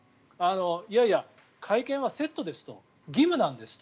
いやいや、会見はセットです義務なんですと。